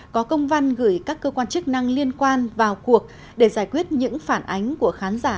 có công văn gửi các cơ quan chức năng liên quan vào cuộc để giải quyết những phản ánh của khán giả